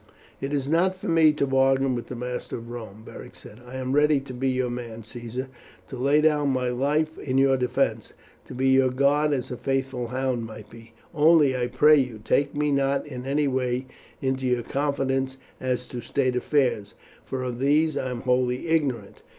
"It is not for me to bargain with the master of Rome," Beric said. "I am ready to be your man, Caesar, to lay down my life in your defence, to be your guard as a faithful hound might be; only, I pray you, take me not in any way into your confidence as to state affairs, for of these I am wholly ignorant.